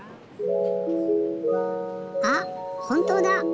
あっほんとうだ！